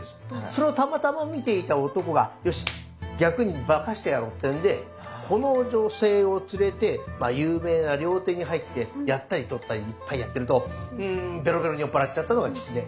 それをたまたま見ていた男が「よし逆に化かしてやろう」っていうんでこの女性を連れてまあ有名な料亭に入ってやったり取ったり一杯やってるとうんベロベロに酔っぱらっちゃったのがきつね。